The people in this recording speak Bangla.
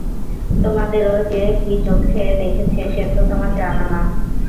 তোমাদের ও যে কী চক্ষে দেখেছে সে তো তোমরা জান না।